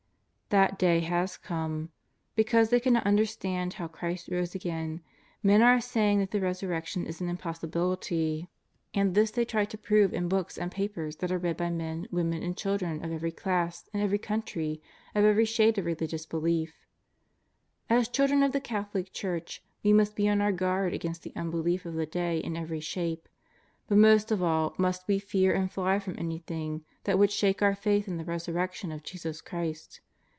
That day has come. Because they cannot under stand how Christ rose again, men are saying that the Resurrection is an impossibility, and this they try to JESUS OF NAZARETH. 389 prove in books and papers that are read by men, women and children of every class, in every country, of ever;^ shade of religions belief. As children of the Catholic Church, we must be on our guard against the unbelief of the day in every shape. But most of all must we fear and fly from anything that w^ould shake our faith in the Resurrec tion of Jesus Christ.